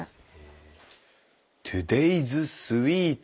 トゥデイズスイーツ。